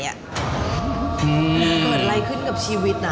เกิดอะไรขึ้นกับชีวิตนะ